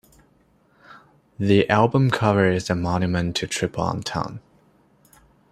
The album cover is a monument to triple entendre.